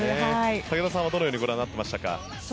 武田さんはどのようにご覧になっていましたか。